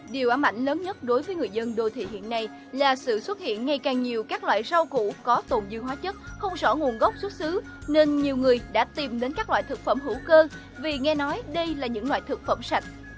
điều ám ảnh lớn nhất đối với người dân đô thị hiện nay là sự xuất hiện ngay càng nhiều các loại rau cũ có tồn dư hóa chất không rõ nguồn gốc xuất xứ nên nhiều người đã tìm đến các loại thực phẩm hữu cơ vì nghe nói đây là những loại thực phẩm sạch